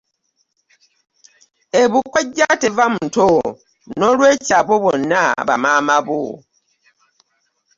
Ebuko teva muto noolwekyo abo bonna bamaama bo.